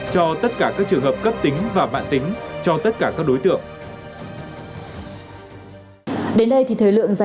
cho tất cả các trường hợp cấp tính và mạng tính cho tất cả các đối tượng